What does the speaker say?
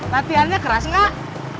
latihannya keras nggak